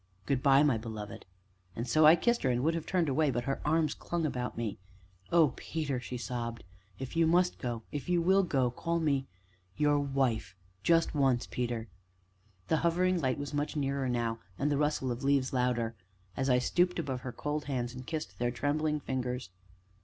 Good by, my beloved!" and so I kissed her, and would have turned away, but her arms clung about me. "Oh, Peter!" she sobbed, "if you must go if you will go, call me your wife just once, Peter." The hovering light was much nearer now, and the rustle of leaves louder, as I stooped above her cold hands, and kissed their trembling fingers.